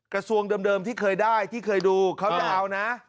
กระทรวงเดิมที่เคยได้ที่เคยดูเขาจะเอานะ